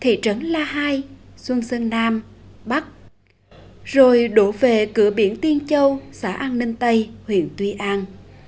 thị trấn la hai xuân sơn nam bắc rồi đổ về cửa biển tiên châu xã an ninh tây huyện tuy an